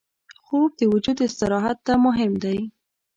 خوب د وجود استراحت ته مهم دی